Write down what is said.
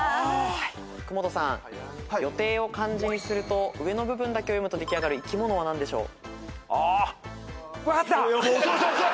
福本さん「よてい」を漢字にすると上の部分だけを読むと出来上がる生き物は何でしょう？